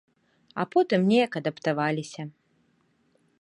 А потым неяк адаптаваліся.